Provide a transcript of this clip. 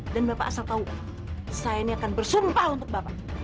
dan bapak asal tahu saya ini akan bersumpah untuk bapak